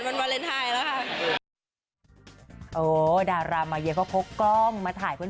อยู่ในโรงพยาบาลค่ะ